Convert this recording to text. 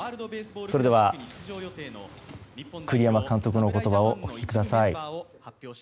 それでは栗山監督の言葉をお聞きください。